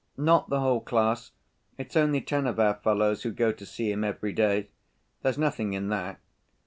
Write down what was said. "Not the whole class: it's only ten of our fellows who go to see him every day. There's nothing in that."